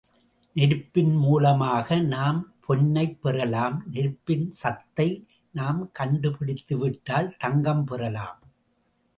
நெருப்பின் மூலமாக நாம் பொன்னைப் பெறலாம், நெருப்பின் சத்தை நாம் கண்டுபிடித்துவிட்டால் தங்கம் பெறலாம்.